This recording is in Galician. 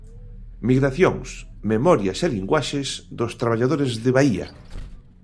Migracións, memorias e linguaxes dos traballadores de Baía.